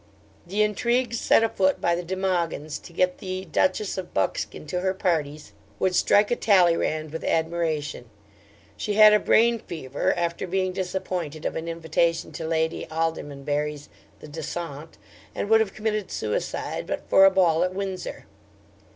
The intrigues set afoot by the De Mogyns to get the Duchess of Buckskin to her parties, would strike a Talleyrand with admiration. She had a brain fever after being disappointed of an invitation to Lady Aldermanbury's THE DANSANT, and would have committed suicide but for a ball at Windsor.